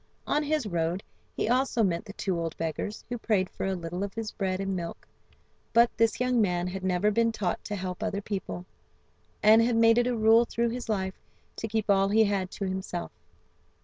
On his road, he also met the two old beggars, who prayed for a little of his bread and milk, but this young man had never been taught to help other people, and had made it a rule through his life to keep all he had to himself.